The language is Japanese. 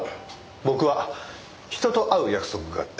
僕は人と会う約束があって。